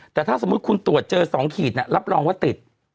แต่ถ้าสมมุติคุณตรวจเจอ๒ขีดรับรองว่าติด